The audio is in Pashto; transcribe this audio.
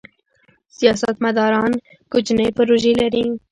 سیاستمداران کوچنۍ پروژې لري.